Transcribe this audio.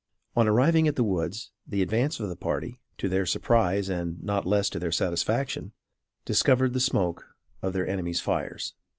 On arriving at the woods, the advance of the party, to their surprise and not less to their satisfaction, discovered the smoke of their enemies' fires.